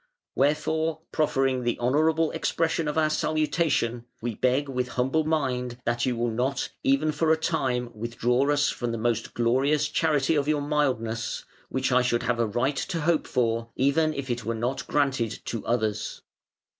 ... Wherefore, proffering the honourable expression of our salutation, we beg with humble mind that you will not even for a time withdraw from us the most glorious charity of your Mildness, which I should have a right to hope for even if it were not granted to others.